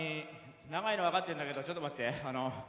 長いの分かってるんだけどちょっと待って。